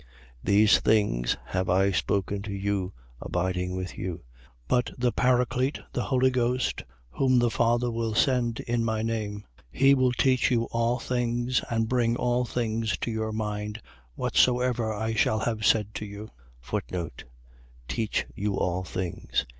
14:25. These things have I spoken to you, abiding with you. 14:26. But the Paraclete, the Holy Ghost, whom the Father will send in my name, he will teach you all things and bring all things to your mind, whatsoever I shall have said to you. Teach you all things.